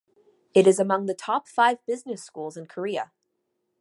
It is among the top five business schools in Korea.